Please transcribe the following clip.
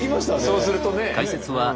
そうするとね。